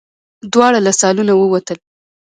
دواړه له سالونه ووتل.